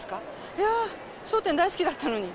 いやー、笑点大好きだったのに。